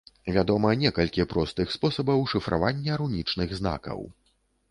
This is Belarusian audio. Вядома некалькі простых спосабаў шыфравання рунічных знакаў.